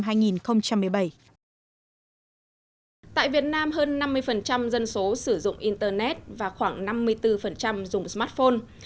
tại việt nam hơn năm mươi dân số sử dụng internet và khoảng năm mươi bốn dùng smartphone